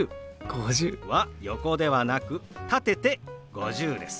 ５０。は横ではなく立てて「５０」です。